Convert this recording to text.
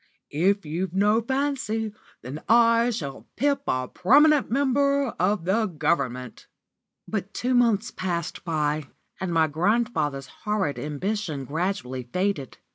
If you've no fancy, then I shall pip a prominent member of the Government." But two months passed by, and my grandfather's horrid ambition gradually faded.